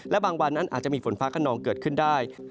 และบางวันนั้นอาจจะมีฝนฟ้าขนองเกิดขึ้นได้